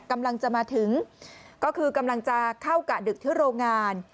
กำลังจะมาถึงก็คือกำลังจะเข้ากะดึกที่โรงงาน